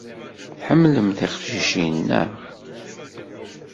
Tḥemmlem tiqcicin, naɣ?